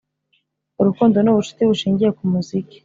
“urukundo ni ubucuti bushingiye ku muziki.”